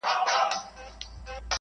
د درنې مرګ ژوبلي رپوټونه ورکوي -